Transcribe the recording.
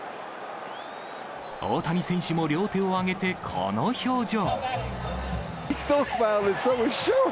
大谷選手も両手をあげてこの表情。